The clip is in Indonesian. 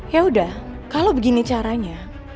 yaudah kalau begini caranya